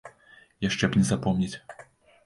Яшчэ б не запомніць!